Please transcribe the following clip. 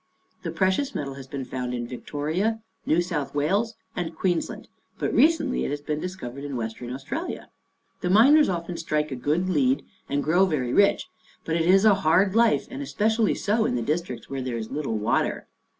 The pre cious metal has been found in Victoria, New South Wales and Queensland, but recently it has been discovered in Western Australia. The miners often strike a good lead and grow very rich, but it is a hard life and especially so in the districts where there is little water.